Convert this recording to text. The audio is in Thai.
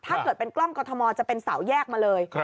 ถ้าเกิดเป็นกล้องกรทมจะเป็นเสาแยกมาเลย